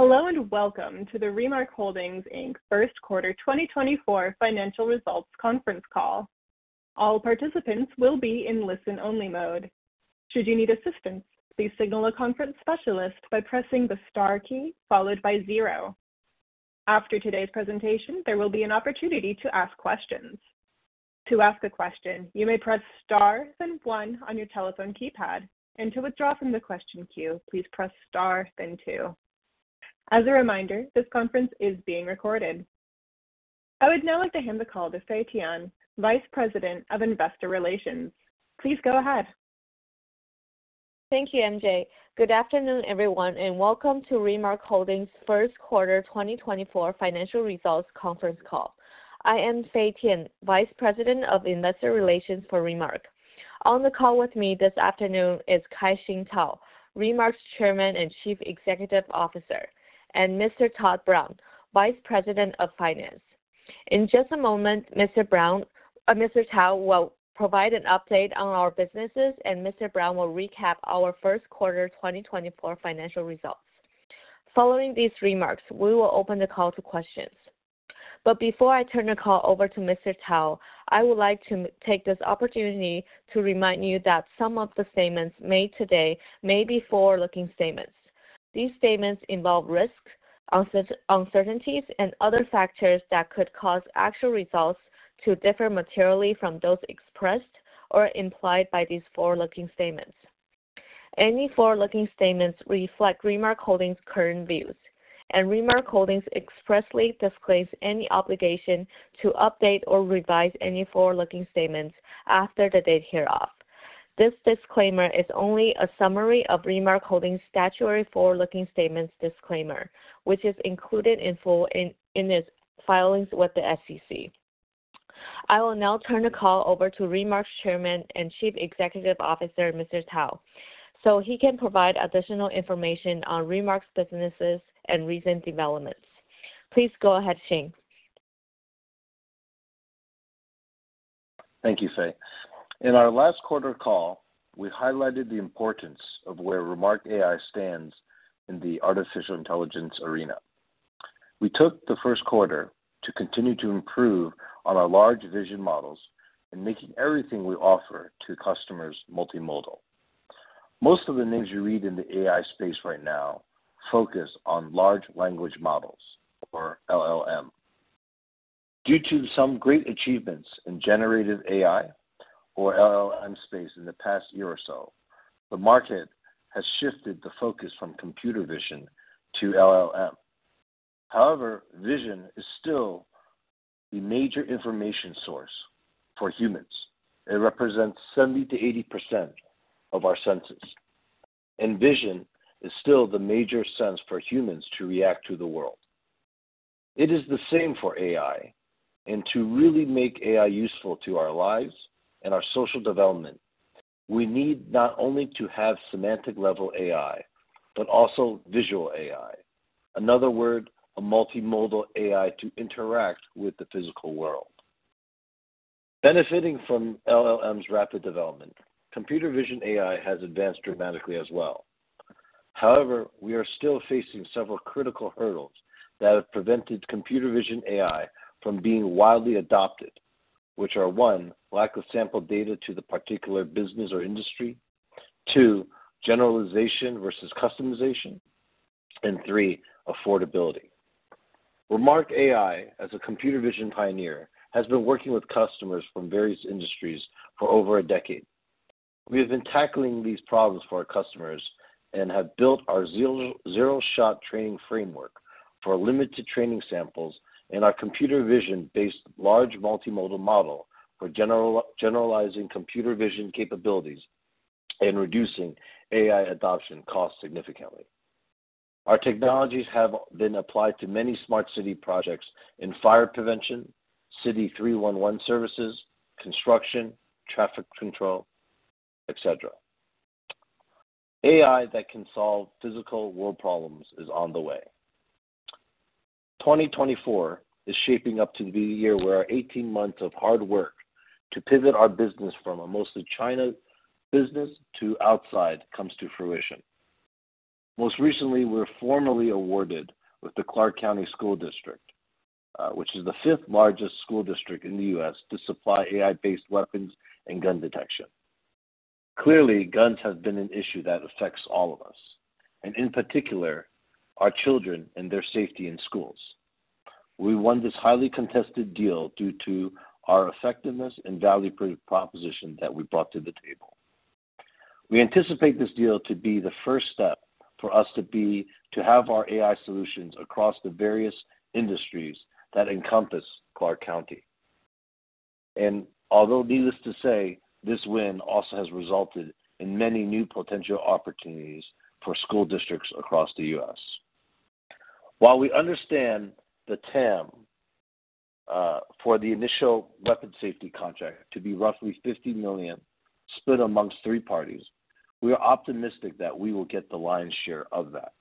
Hello, and welcome to the Remark Holdings, Inc. First Quarter 2024 Financial Results Conference Call. All participants will be in listen-only mode. Should you need assistance, please signal a conference specialist by pressing the star key followed by zero. After today's presentation, there will be an opportunity to ask questions. To ask a question, you may press Star then one on your telephone keypad, and to withdraw from the question queue, please press Star then two. As a reminder, this conference is being recorded. I would now like to hand the call to Fei Tian, Vice President of Investor Relations. Please go ahead. Thank you, MJ. Good afternoon, everyone, and welcome to Remark Holdings' first quarter 2024 financial results conference call. I am Fay Tian, Vice President of Investor Relations for Remark. On the call with me this afternoon is Kai-Shing Tao, Remark's Chairman and Chief Executive Officer, and Mr. Todd Brown, Vice President of Finance. In just a moment, Mr. Brown, Mr. Tao will provide an update on our businesses, and Mr. Brown will recap our first quarter 2024 financial results. Following these remarks, we will open the call to questions. But before I turn the call over to Mr. Tao, I would like to take this opportunity to remind you that some of the statements made today may be forward-looking statements. These statements involve risks, uncertainties, and other factors that could cause actual results to differ materially from those expressed or implied by these forward-looking statements. Any forward-looking statements reflect Remark Holdings' current views, and Remark Holdings expressly disclaims any obligation to update or revise any forward-looking statements after the date hereof. This disclaimer is only a summary of Remark Holdings' statutory forward-looking statements disclaimer, which is included in full in its filings with the SEC. I will now turn the call over to Remark's Chairman and Chief Executive Officer, Mr. Tao, so he can provide additional information on Remark's businesses and recent developments. Please go ahead, Kai-Shing. Thank you, Fei. In our last quarter call, we highlighted the importance of where Remark AI stands in the artificial intelligence arena. We took the first quarter to continue to improve on our large vision models and making everything we offer to customers multimodal. Most of the names you read in the AI space right now focus on large language models, or LLM. Due to some great achievements in generative AI or LLM space in the past year or so, the market has shifted the focus from computer vision to LLM. However, vision is still the major information source for humans. It represents 70%-80% of our senses, and vision is still the major sense for humans to react to the world. It is the same for AI, and to really make AI useful to our lives and our social development, we need not only to have semantic-level AI, but also visual AI. Another word, a multimodal AI to interact with the physical world. Benefiting from LLM's rapid development, computer vision AI has advanced dramatically as well. However, we are still facing several critical hurdles that have prevented computer vision AI from being widely adopted, which are, one, lack of sample data to the particular business or industry. Two, generalization versus customization, and three, affordability. Remark AI, as a computer vision pioneer, has been working with customers from various industries for over a decade. We have been tackling these problems for our customers and have built our zero-shot training framework for limited training samples and our computer vision-based large multimodal model for generalizing computer vision capabilities and reducing AI adoption costs significantly. Our technologies have been applied to many smart city projects in fire prevention, city 311 services, construction, traffic control, etc. AI that can solve physical world problems is on the way. 2024 is shaping up to be a year where our 18 months of hard work to pivot our business from a mostly China business to outside comes to fruition. Most recently, we're formally awarded with the Clark County School District, which is the fifth-largest school district in the U.S., to supply AI-based weapons and gun detection. Clearly, guns have been an issue that affects all of us, and in particular, our children and their safety in schools. We won this highly contested deal due to our effectiveness and value proposition that we brought to the table. We anticipate this deal to be the first step for us to be to have our AI solutions across the various industries that encompass Clark County. Although needless to say, this win also has resulted in many new potential opportunities for school districts across the U.S. While we understand the TAM for the initial weapon safety contract to be roughly $50 million split amongst three parties, we are optimistic that we will get the lion's share of that.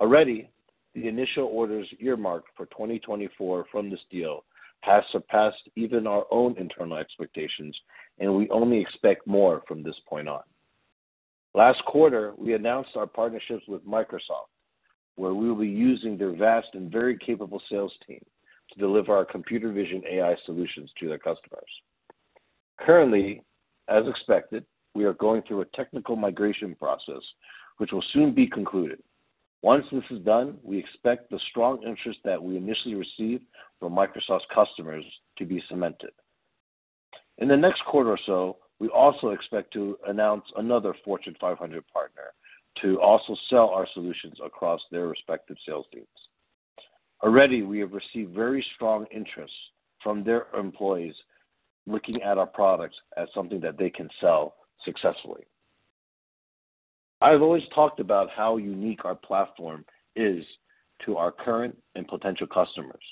Already, the initial orders earmarked for 2024 from this deal have surpassed even our own internal expectations, and we only expect more from this point on. Last quarter, we announced our partnerships with Microsoft, where we will be using their vast and very capable sales team to deliver our computer vision AI solutions to their customers. Currently, as expected, we are going through a technical migration process, which will soon be concluded. Once this is done, we expect the strong interest that we initially received from Microsoft's customers to be cemented. In the next quarter or so, we also expect to announce another Fortune 500 partner to also sell our solutions across their respective sales teams. Already, we have received very strong interest from their employees looking at our products as something that they can sell successfully. I've always talked about how unique our platform is to our current and potential customers,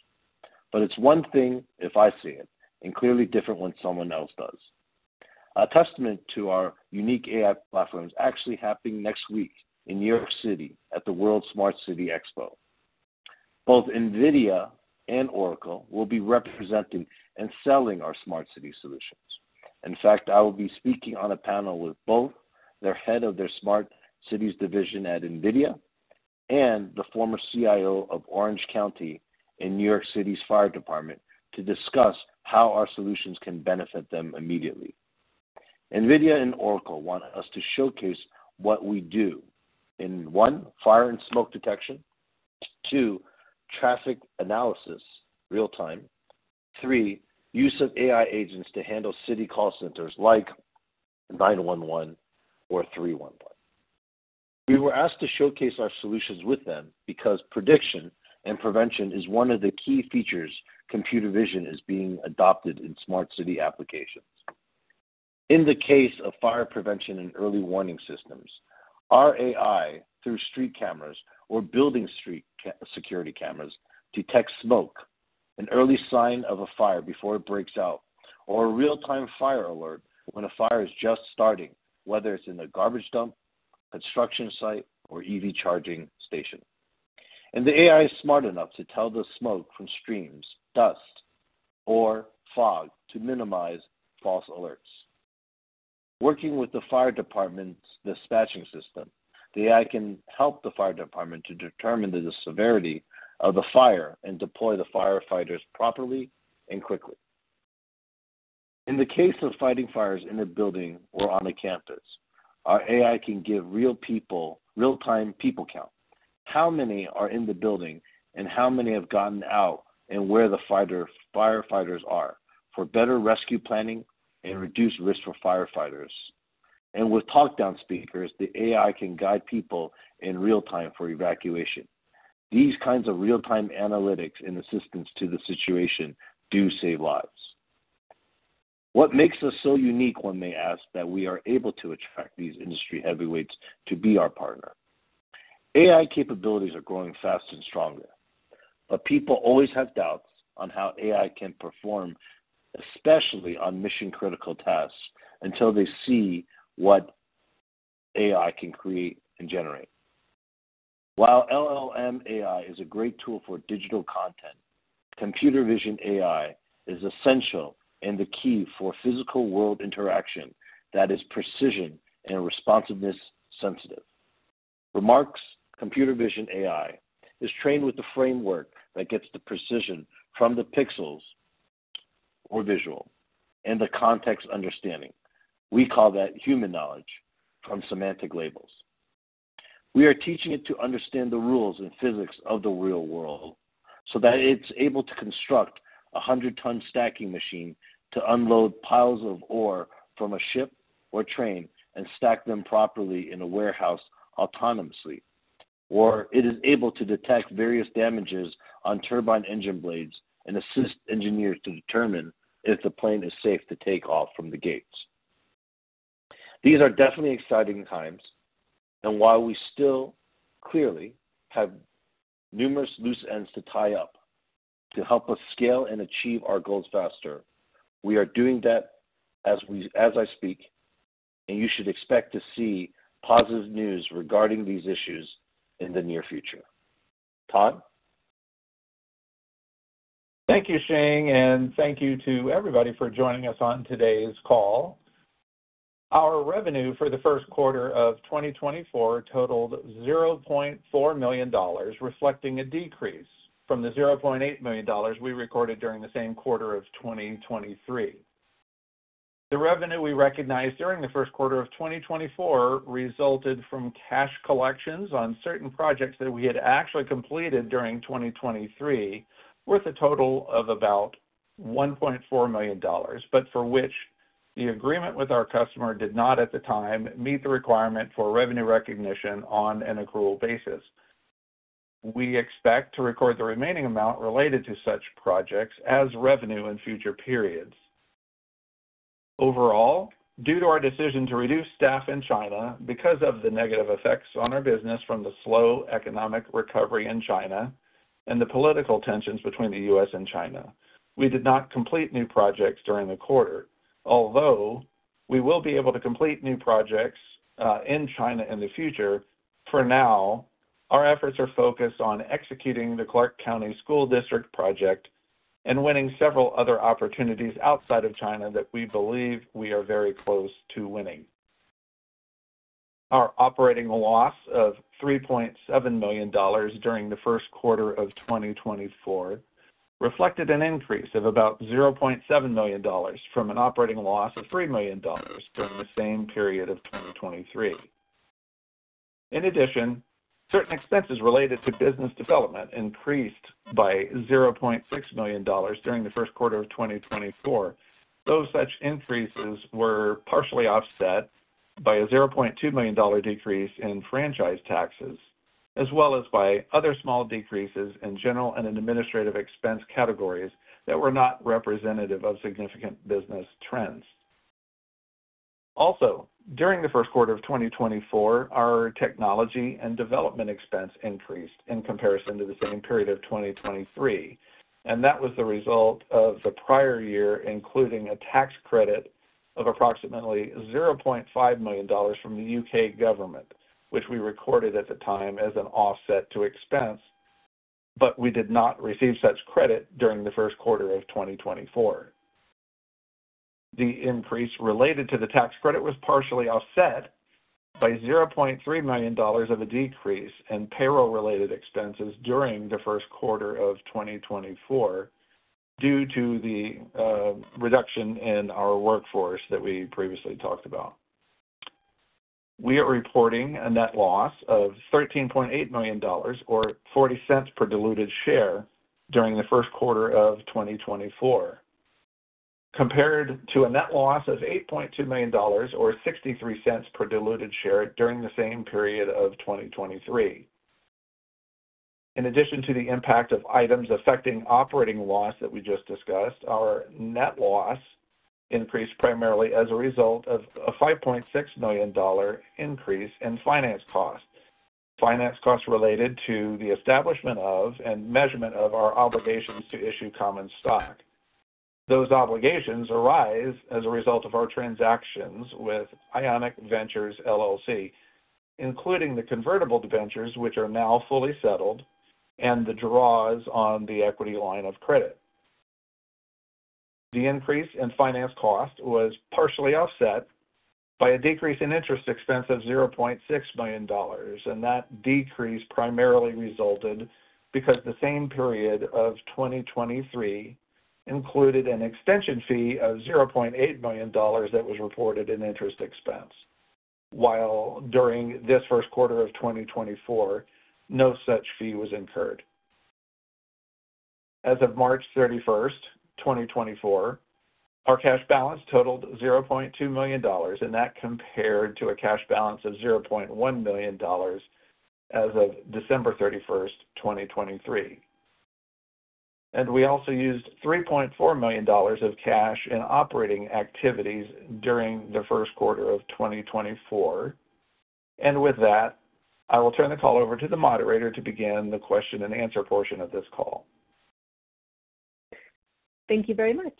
but it's one thing if I see it, and clearly different when someone else does. A testament to our unique AI platform is actually happening next week in New York City at the World Smart City Expo. Both NVIDIA and Oracle will be representing and selling our smart city solutions. In fact, I will be speaking on a panel with both their head of their Smart Cities division at NVIDIA and the former CIO of Orange County and New York City's fire department to discuss how our solutions can benefit them immediately. NVIDIA and Oracle want us to showcase what we do in, one, fire and smoke detection, two, traffic analysis real time, three, use of AI agents to handle city call centers like 911 or 311. We were asked to showcase our solutions with them because prediction and prevention is one of the key features computer vision is being adopted in smart city applications. In the case of fire prevention and early warning systems, our AI, through street cameras or building security cameras, detects smoke, an early sign of a fire before it breaks out, or a real-time fire alert when a fire is just starting, whether it's in a garbage dump, construction site, or EV charging station. The AI is smart enough to tell the smoke from streams, dust, or fog to minimize false alerts. Working with the fire department's dispatching system, the AI can help the fire department to determine the severity of the fire and deploy the firefighters properly and quickly. In the case of fighting fires in a building or on a campus, our AI can give real people real-time people count. How many are in the building and how many have gotten out, and where the firefighters are for better rescue planning and reduced risk for firefighters. With talk-down speakers, the AI can guide people in real time for evacuation. These kinds of real-time analytics and assistance to the situation do save lives. What makes us so unique when they ask that we are able to attract these industry heavyweights to be our partner? AI capabilities are growing fast and stronger, but people always have doubts on how AI can perform, especially on mission-critical tasks, until they see what AI can create and generate. While LLM AI is a great tool for digital content, computer vision AI is essential and the key for physical world interaction that is precision and responsiveness sensitive. Remark's computer vision AI is trained with the framework that gets the precision from the pixels or visual and the context understanding. We call that human knowledge from semantic labels. We are teaching it to understand the rules and physics of the real world, so that it's able to construct a 100-ton stacking machine to unload piles of ore from a ship or train and stack them properly in a warehouse autonomously. Or it is able to detect various damages on turbine engine blades and assist engineers to determine if the plane is safe to take off from the gates. These are definitely exciting times, and while we still clearly have numerous loose ends to tie up to help us scale and achieve our goals faster, we are doing that as we as I speak, and you should expect to see positive news regarding these issues in the near future. Todd? Thank you, Shing, and thank you to everybody for joining us on today's call. Our revenue for the first quarter of 2024 totaled $0.4 million, reflecting a decrease from the $0.8 million we recorded during the same quarter of 2023. The revenue we recognized during the first quarter of 2024 resulted from cash collections on certain projects that we had actually completed during 2023, worth a total of about $1.4 million, but for which the agreement with our customer did not, at the time, meet the requirement for revenue recognition on an accrual basis. We expect to record the remaining amount related to such projects as revenue in future periods. Overall, due to our decision to reduce staff in China because of the negative effects on our business from the slow economic recovery in China-... The political tensions between the US and China. We did not complete new projects during the quarter. Although we will be able to complete new projects in China in the future, for now, our efforts are focused on executing the Clark County School District project and winning several other opportunities outside of China that we believe we are very close to winning. Our operating loss of $3.7 million during the first quarter of 2024 reflected an increase of about $0.7 million from an operating loss of $3 million during the same period of 2023. In addition, certain expenses related to business development increased by $0.6 million during the first quarter of 2024. Those such increases were partially offset by a $0.2 million decrease in franchise taxes, as well as by other small decreases in general and administrative expense categories that were not representative of significant business trends. Also, during the first quarter of 2024, our technology and development expense increased in comparison to the same period of 2023, and that was the result of the prior year, including a tax credit of approximately $0.5 million from the UK government, which we recorded at the time as an offset to expense, but we did not receive such credit during the first quarter of 2024. The increase related to the tax credit was partially offset by $0.3 million of a decrease in payroll-related expenses during the first quarter of 2024, due to the reduction in our workforce that we previously talked about. We are reporting a net loss of $13.8 million or $0.40 per diluted share during the first quarter of 2024, compared to a net loss of $8.2 million or $0.63 per diluted share during the same period of 2023. In addition to the impact of items affecting operating loss that we just discussed, our net loss increased primarily as a result of a $5.6 million increase in finance costs. Finance costs related to the establishment of and measurement of our obligations to issue common stock. Those obligations arise as a result of our transactions with Ionic Ventures LLC, including the convertible debentures, which are now fully settled, and the draws on the equity line of credit. The increase in finance cost was partially offset by a decrease in interest expense of $0.6 million, and that decrease primarily resulted because the same period of 2023 included an extension fee of $0.8 million that was reported in interest expense, while during this first quarter of 2024, no such fee was incurred. As of March 31, 2024, our cash balance totaled $0.2 million, and that compared to a cash balance of $0.1 million as of December 31, 2023. We also used $3.4 million of cash in operating activities during the first quarter of 2024. With that, I will turn the call over to the moderator to begin the question and answer portion of this call. Thank you very much.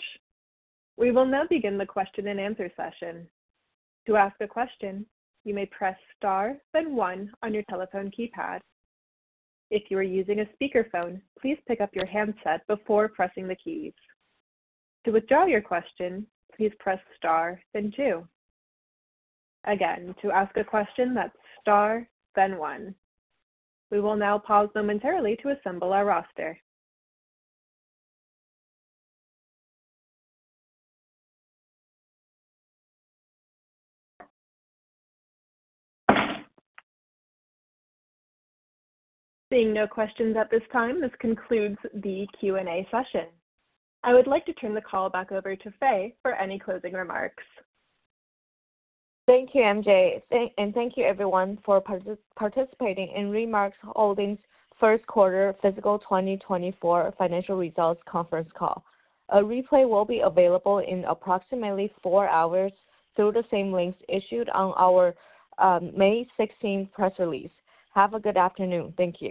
We will now begin the question and answer session. To ask a question, you may press star, then one on your telephone keypad. If you are using a speakerphone, please pick up your handset before pressing the keys. To withdraw your question, please press star, then two. Again, to ask a question, that's star, then one. We will now pause momentarily to assemble our roster. Seeing no questions at this time, this concludes the Q&A session. I would like to turn the call back over to Fei for any closing remarks. Thank you, MJ. And thank you everyone for participating in Remark Holdings' first quarter fiscal 2024 financial results conference call. A replay will be available in approximately four hours through the same links issued on our May sixteen press release. Have a good afternoon. Thank you.